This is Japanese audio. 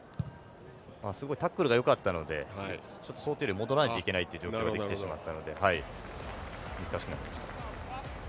すごいタックルがよかったので、想定より戻らないといけない状況ができてしまったので難しかった。